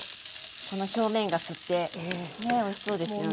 この表面が吸ってねっおいしそうですよね。